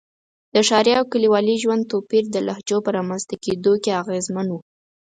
د ښاري او کلیوالي ژوند توپیر د لهجو په رامنځته کېدو کې اغېزمن و.